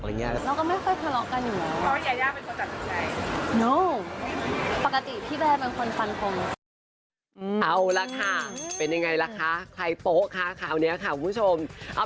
เราก็ไม่ค่อยไปภาระกันอยู่นะ